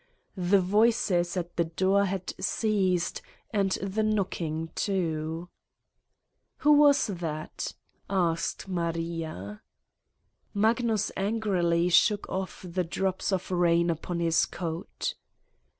The voices at the door had ceased and the knock ing, too. "Who was that?" ... asked Maria. Magnus angrily shook off the drops of rain upon his coat.